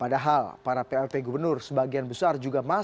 padahal para plp gubernur sebagian besar juga menyesuaikan